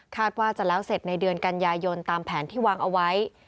ว่าจะแล้วเสร็จในเดือนกันยายนตามแผนที่วางเอาไว้